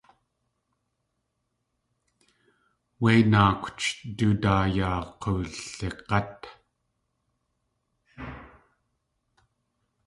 Wé naakwch du daa yaa k̲uwlig̲át.